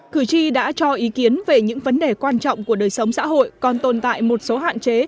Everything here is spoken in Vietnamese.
cử tri đã cho ý kiến về những vấn đề quan trọng của đời sống xã hội còn tồn tại một số hạn chế